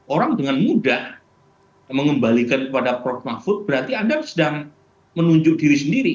orang dengan mudah mengembalikan kepada prof mahfud berarti anda sedang menunjuk diri sendiri